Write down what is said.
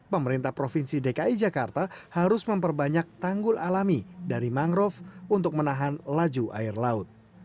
pemerintah provinsi dki jakarta harus memperbanyak tanggul alami dari mangrove untuk menahan laju air laut